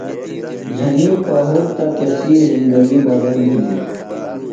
جھنیۡ پہُرتہ تسی زندگی بدل بِھلیۡ۔